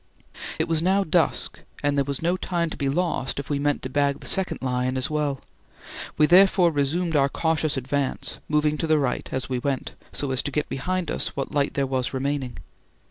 It was now dusk, and there was no time to be lost if we meant to bag the second lion as well. We therefore resumed our cautious advance, moving to the right, as we went, so as to get behind us what light there was remaining.